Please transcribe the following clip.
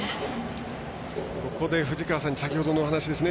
ここで藤川さんの先ほどのお話ですね。